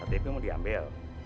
pak tepi mau diambil